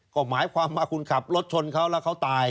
ก็หมายความว่าคุณขับรถชนเขาแล้วเขาตาย